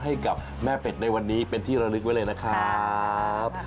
ให้กับแม่เป็ดในวันนี้เป็นที่ระลึกไว้เลยนะครับ